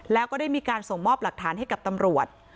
แล้วก็ได้มีการส่งมอบหลักฐานให้กับตำรวจ